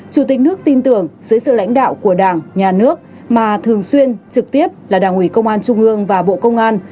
chủ tịch nước tin tưởng dưới sự lãnh đạo của đảng nhà nước mà thường xuyên trực tiếp là đảng ủy công an trung ương và bộ công an